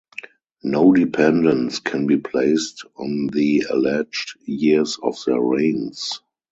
No dependence can be placed on the alleged years of their reigns.